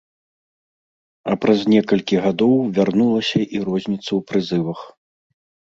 А праз некалькі гадоў вярнулася і розніца ў прызывах.